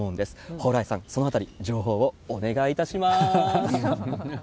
蓬莱さん、そのあたり、情報をお願いいたします。